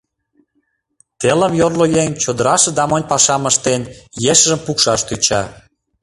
Телым йорло еҥ, чодыраште да монь пашам ыштен, ешыжым пукшаш тӧча.